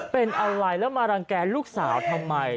เป็นอะไรแล้วมารังแก่ลูกสาวทำไม